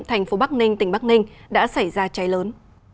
thành phố bắc ninh tỉnh bắc ninh đã xảy ra cháy lớn